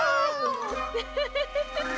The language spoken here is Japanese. ウフフフフ。